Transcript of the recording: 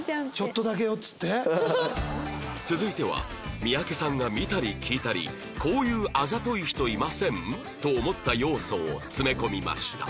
続いては三宅さんが見たり聞いたりこういうあざとい人いません？と思った要素を詰め込みました